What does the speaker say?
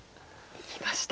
きました。